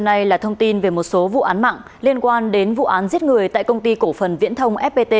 hôm nay là thông tin về một số vụ án mạng liên quan đến vụ án giết người tại công ty cổ phần viễn thông fpt